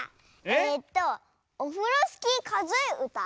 えっと「オフロスキーかぞえうた」？